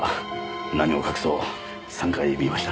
何を隠そう３回見ました。